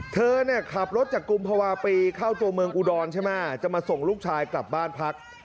เธอเนี่ยขับรถจากกุมภาวะปีเข้าตัวเมืองอุดรใช่ไหมจะมาส่งลูกชายกลับบ้านพัก